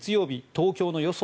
東京の予想